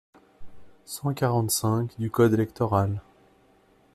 cent quarante-cinq du code électoral.